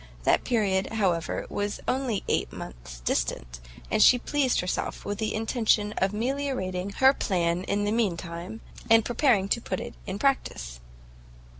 That period, however, was only eight months distant, and she pleased herself with the intention of meliorating her plan in the meantime, and preparing to put it in practice.